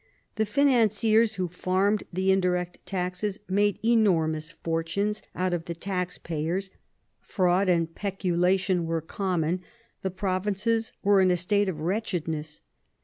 The financiers who farmed the indirect taxes made enormous fortunes out of the tax payers ; fraud and peculation were common ; the provinces were in a state of wretchedness.